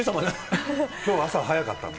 きょう朝早かったんで。